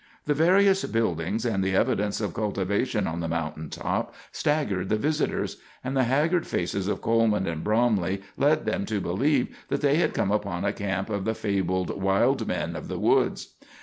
The various buildings and the evidence of cultivation on the mountain top staggered the visitors, and the haggard faces of Coleman and Bromley led them to believe that they had come upon a camp of the fabled wild men of the woods.